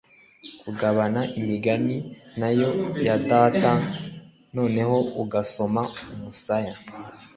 kugabana imigani nayo ya data noneho ugasoma umusaya